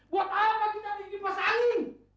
buat apa kita dikipas angin